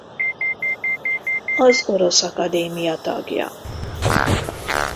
Az orosz akadémia tagja.